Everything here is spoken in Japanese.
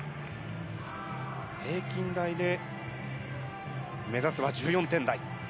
平均台で目指すは、１４点台。